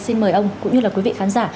xin mời ông cũng như là quý vị khán giả